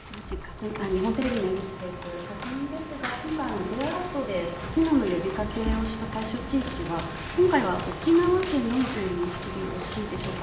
確認ですが、Ｊアラートで避難の呼びかけをした対象地域は今回は沖縄県のみという認識でよろしいでしょうか。